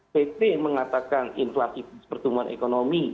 pt mengatakan inflasi pertumbuhan ekonomi